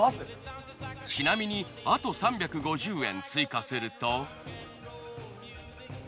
ちなみにあと３５０円追加すると。